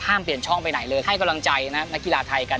เปลี่ยนช่องไปไหนเลยให้กำลังใจนักกีฬาไทยกัน